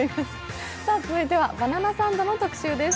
続いては「バナナサンド」の特集です。